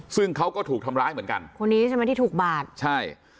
ซึ่งเขาก็ถูกทำร้ายเหมือนกันคนนี้ใช่ไหมที่ถูกบาดใช่